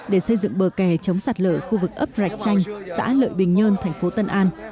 để xây dựng bờ kè chống sạt lở khu vực ấp rạch chanh xã lợi bình nhơn thành phố tân an